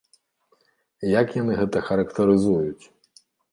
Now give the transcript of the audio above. Як яны гэта характарызуюць?